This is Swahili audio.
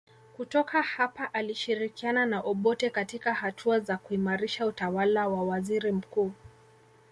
Kutoka hapa alishirikiana na Obote katika hatua za kuimarisha utawala wa waziri mkuu